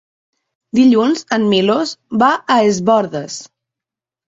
Dilluns en Milos va a Es Bòrdes.